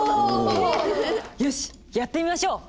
よしやってみましょう。